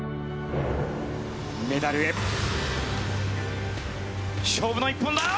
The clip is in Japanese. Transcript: メダルへ勝負の１本だ。